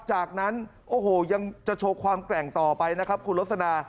จากนั้นโอ้โหยังจะโชว์ความแกร่งต่อไปนะครับคุณลสนา